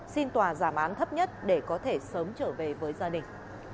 xin tòa giảm án thấp nhất để có thể sớm trở về với gia đình